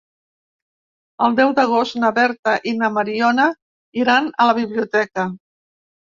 El deu d'agost na Berta i na Mariona iran a la biblioteca.